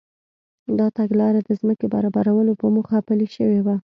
دا تګلاره د ځمکې برابرولو په موخه پلي شوې وه.